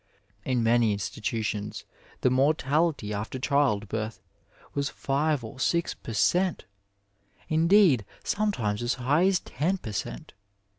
In many institutions the mortality after child birth was five or six per cent., indeed sometimes as high as ten per cent.